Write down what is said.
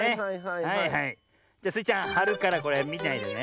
じゃスイちゃんはるからこれみないでね。